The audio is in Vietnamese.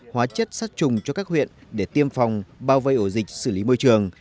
hóa chất sát trùng cho các huyện để tiêm phòng bao vây ổ dịch xử lý môi trường